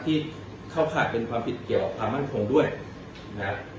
ที่เข้าข่ายเป็นความผิดเกี่ยวกับความมั่นคงด้วยนะครับ